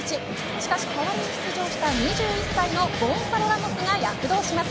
しかし代わりに出場した２１歳のゴンサロ・ラモスが躍動します。